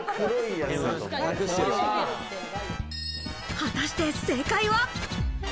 果たして正解は。